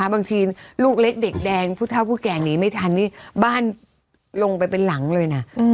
บางทีลูกเล็กเด็กแดงผู้เท่าผู้แก่หนีไม่ทันนี่บ้านลงไปเป็นหลังเลยนะ